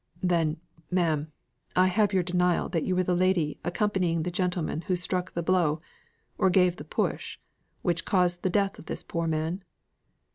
"Then, madam, I have your denial that you were the lady accompanying the gentleman who struck the blow, or gave the push, which caused the death of this poor man?"